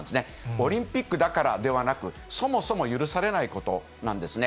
オリンピックだからではなく、そもそも許されないことなんですね。